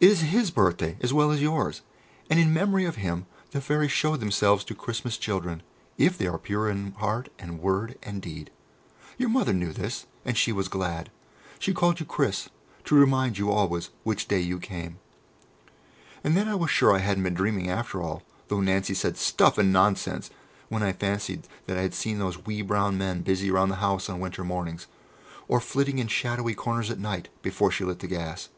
It is His birthday as well as yours, and in memory of Him the Fairies show themselves to Christmas children, if they are pure in heart and word and deed. Your Mother knew this, and she was glad. She called you 'Chris' to remind you always which day you came." And then I was sure that I hadn't been dreaming after all, though Nancy said, "Stuff and Nonsense," when I fancied that I had seen those wee brown men busy about the house on winter mornings, or flitting in shadowy corners at night, before she lit the gas.